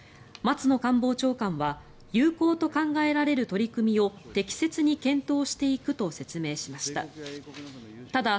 松野官房長官は有効と考えられる取り組みを適切に検討していくと説明しました。